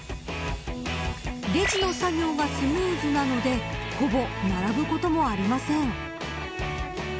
レジの作業がスムーズなのでほぼ並ぶこともありません。